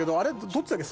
どっちだっけ？